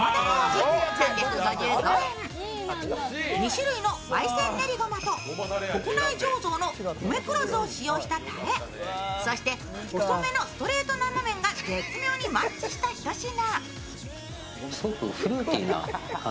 ２種類のばい煎練りごまと国内醸造の米黒酢を使用したたれ、そして、細めのストレート生麺が絶妙にマッチした一品。